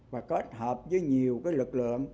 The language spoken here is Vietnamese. và kết hợp với nhiều lực lượng